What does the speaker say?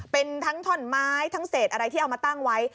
เป็นทั้งถ่อนไม้ทั้งเศษอะไรที่เอามาตั้งไว้